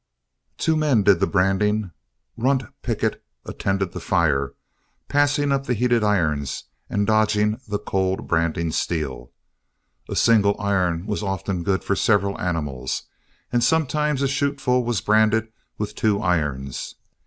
Two men did the branding. "Runt" Pickett attended the fire, passing up the heated irons, and dodging the cold branding steel. A single iron was often good for several animals, and sometimes a chuteful was branded with two irons.